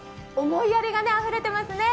思いやりがあふれていますね。